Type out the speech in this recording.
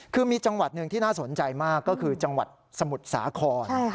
คือมีจังหวัดหนึ่งที่น่าสนใจมากก็คือจังหวัดสมุทรสาคร